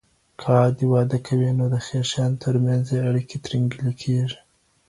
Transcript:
که عادي واده کوي، نو د خيښانو تر منځ ئې اړيکي ترينګلي کيږي.